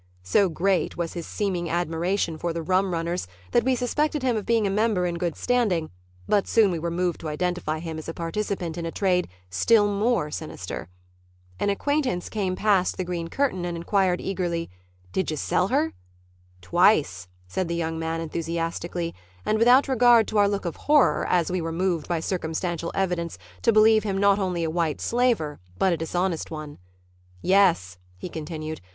So great was his seeming admiration for the rum runners that we suspected him of being himself a member in good standing, but soon we were moved to identify him as a participant in a trade still more sinister. An acquaintance came past the green curtain and inquired eagerly, "Did you sell her?" "Twice," said the young man enthusiastically and without regard to our look of horror as we were moved by circumstantial evidence to believe him not only a white slaver but a dishonest one. "Yes," he continued.